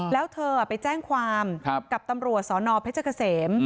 แล้วเธอไปแจ้งความกับตำรวจสนเพชรเกษม